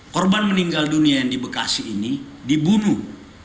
korban meninggal dunia yang di bekasi ini dibunuh